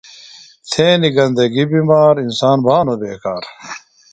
تھینیۡ گندگیۡ بِمار، انسان بھانوۡ بیکار